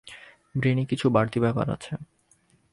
ব্রেইনে কিছু বাড়তি ব্যাপার আছে।